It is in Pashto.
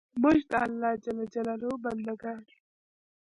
موږ د الله ج بندګان یو